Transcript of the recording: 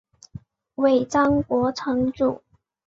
尾张国城主。